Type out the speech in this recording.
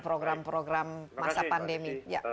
program program masa pandemi